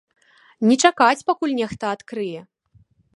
Не чакаць, пакуль нехта адкрые.